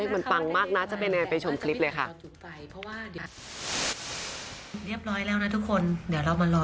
มันฟังมากนะจะไปชมคลิปเลยค่ะ